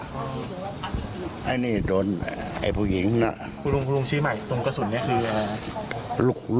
ไอ้นี่โดนไอ้ผู้หญิงคุณลุงชื่อใหม่ตรงกระสุนนี้คืออะไร